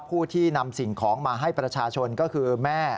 ผู้ที่นำสิ่งของมาให้ประชาชนก็คือแม่